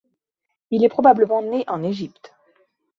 Il est probablement né en Égypte.